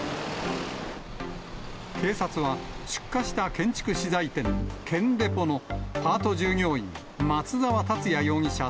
警察は、出火した建築資材店、建デポのパート従業員、松沢達也容疑者